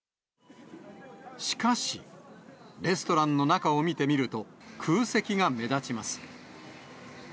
しかし、レストランの中を見てみると、空席が目立ちます。